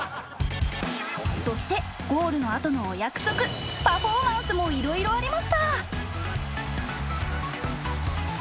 そしてゴールのあとのお約束パフォーマンスもいろいろありました。